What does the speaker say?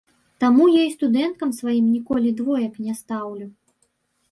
Таму я і студэнткам сваім ніколі двоек не стаўлю!